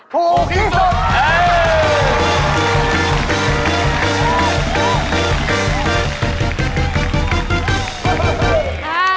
ถูกที่สุด